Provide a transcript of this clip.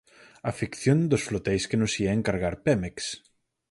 A ficción dos floteis que nos ía encargar Pemex.